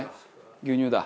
牛乳だ。